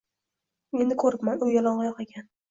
Endi ko‘ribman, u yalangoyoq ekan